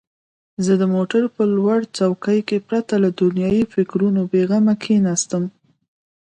زه د موټر په لوړ څوکۍ کې پرته له دنیايي فکرونو بېغمه کښېناستم.